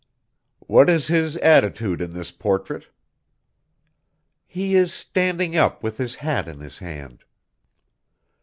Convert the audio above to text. "What is his attitude in this portrait?" "He is standing up with his hat in his hand."